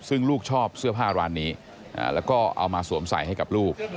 ซึ่งลูกชอบเสื้อผ้าร้านนี้แล้วก็เอามาสวมใส่ให้กับลูก